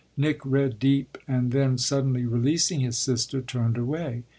Nick read deep and then, suddenly releasing his sister, turned away.